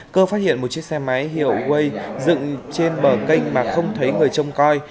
cơ phát hiện một chiếc xe máy hiệu way dựng trên bờ kênh mà không thấy người trông coi